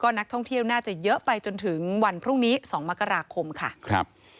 นักท่องเที่ยวน่าจะเยอะไปจนถึงวันพรุ่งนี้๒มกราคมค่ะครับ